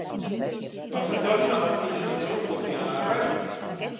Per Sant Jordi na Martina i na Neus voldrien anar a Reus.